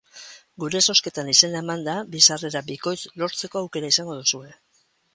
Gure zozketan izena emanda, bi sarrera bikoitz lortzeko aukera izango duzue.